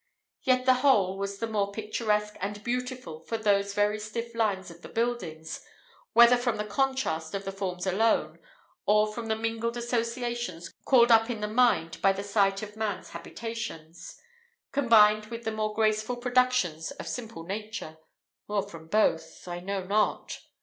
Yet the whole was the more picturesque and beautiful for those very stiff lines of the buildings whether from the contrast of the forms alone or from the mingled associations called up in the mind by the sight of man's habitations combined with the more graceful productions of simple nature or from both, I know not.